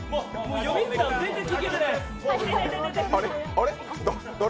あれ？